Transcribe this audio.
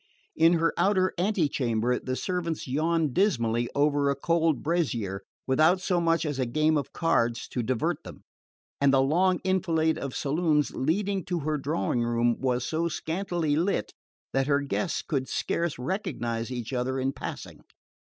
In her outer ante chamber the servants yawned dismally over a cold brazier, without so much as a game of cards to divert them, and the long enfilade of saloons leading to her drawing room was so scantily lit that her guests could scarce recognise each other in passing.